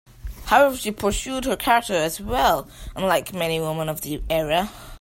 However, she pursued her career as well, unlike many women of the era.